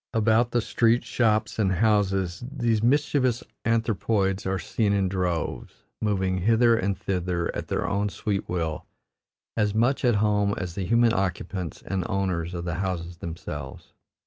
About the streets, shops, and houses these mischievous anthropoids are seen in droves, moving hither and thither at their own sweet will, as much at home as the human occupants and owners of the houses themselves.